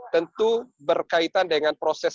tentu berkaitan dengan proses